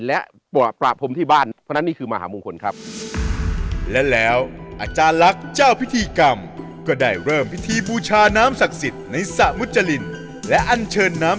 และประปราบง